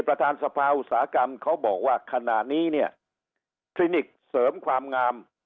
ประธานสภาอุตสาหกรรมเขาบอกว่าขณะนี้เนี่ยคลินิกเสริมความงาม